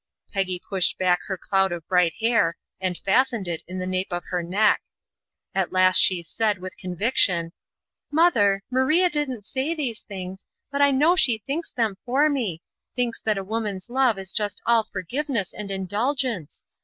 Peggy pushed back her cloud of bright hair and fastened it in the nape of her neck. At last she said, with conviction: "Mother, Maria didn't say these things, but I know she thinks them for me, thinks that a woman's love is just all forgiveness and indulgence.